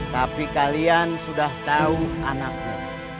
tapi kalian sudah tahu anaknya